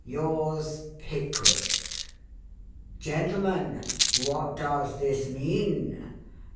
Yours, Pickwick._' Gentlemen, what does this mean?